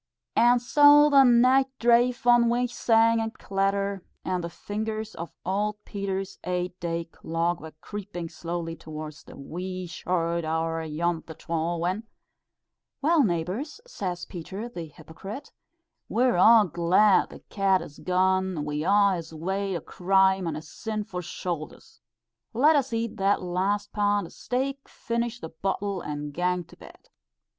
"And so the nicht drave on wi' sangs and clatter," and the fingers of old Peter's eight day clock were creeping slowly towards "the wee short hour ayont the twal," when, "Well, neighbours," says Peter, the hypocrite, "we're a' glad the cat has gane we a' his weight o' crime on his sinfu' shou'ders. Let us eat that last pound o' steak, finish the bottle, and gang to bed."